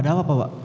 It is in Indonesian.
ada apa pak